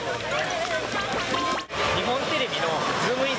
日本テレビのズームイン！！